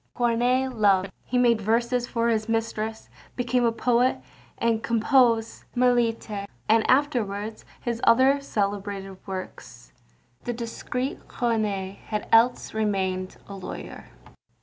Corneille loved; he made verses for his mistress, became a poet, composed Mélite and afterwards his other celebrated works. The discreet Corneille had else remained a lawyer.